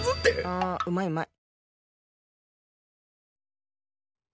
あうまいうまい。